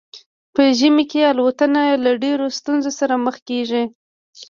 په ژمي کې الوتنه له ډیرو ستونزو سره مخ کیږي